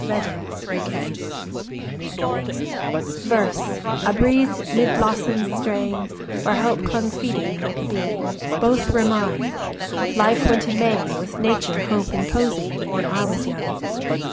Youth and Age VERSE, a breeze 'mid blossoms straying, Where Hope clung feeding, like a bee— Both were mine! Life went a maying With Nature, Hope, and Poesy, When I was young!